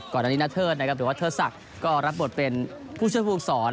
ก่อนอันนี้นาเทิดหรือว่าเทอร์ศักดิ์ก็รับบทเป็นผู้เชื่อพูกสอน